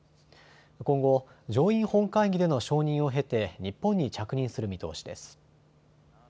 今後、上院本会議での承認を経て日本に着任する見通しです。